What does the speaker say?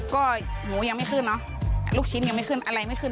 ก็หมูยังไม่ขึ้นลูกชิ้นยังไม่ขึ้น